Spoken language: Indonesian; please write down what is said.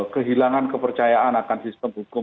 kehilangan kepercayaan akan sistem hukum